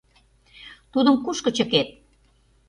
Тудым кушко чыкет?